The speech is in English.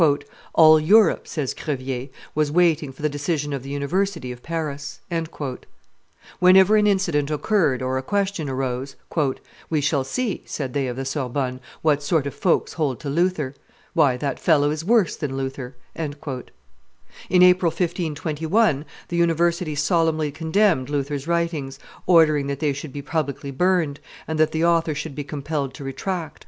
"All Europe," says Crevier, "was waiting for the decision of the University of Paris." Whenever an incident occurred or a question arose, "We shall see," said they of the Sorbonne, "what sort of folks hold to Luther. Why, that fellow is worse than Luther!" In April, 1521, the University solemnly condemned Luther's writings, ordering that they should be publicly burned, and that the author should be compelled to retract.